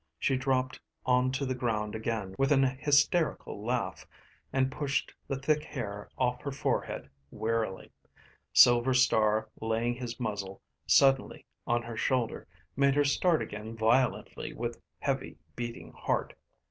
She dropped on to the ground again with an hysterical laugh, and pushed the thick hair off her forehead wearily. Silver Star laying his muzzle suddenly on her shoulder made her start again violently with heavy, beating heart.